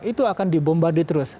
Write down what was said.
itu akan dibombardi terus